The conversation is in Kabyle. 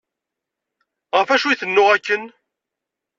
Ɣef acu i tennuɣ akken?